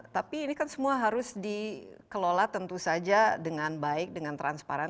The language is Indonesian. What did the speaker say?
tapi ini kan semua harus dikelola tentu saja dengan baik dengan transparan